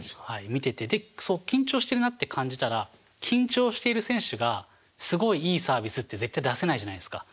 見てて緊張してるなって感じたら緊張している選手がすごいいいサービスって絶対出せないじゃないですか。